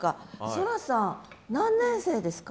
蒼空さん何年生ですか？